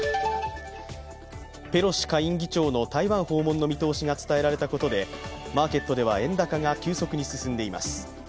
ペロシ下院議長の台湾訪問の見通しが伝えられたことでマーケットでは、円高が急速に進んでいます。